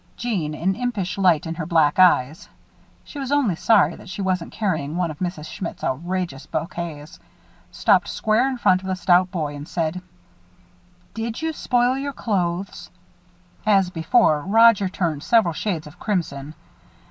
Jeanne, an impish light in her black eyes (she was only sorry that she wasn't carrying one of Mrs. Schmidt's outrageous bouquets), stopped square in front of the stout boy and said: "Did you spoil your clothes?" As before, Roger turned several shades of crimson.